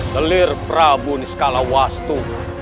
selir prabu niskalawastu